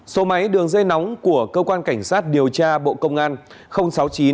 số máy đường dây nóng của cơ quan cảnh sát điều tra bộ công an sáu mươi chín hai trăm ba mươi bốn năm nghìn tám trăm sáu mươi